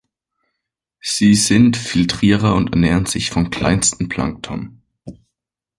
Sie sind Filtrierer und ernähren sich von kleinstem Plankton.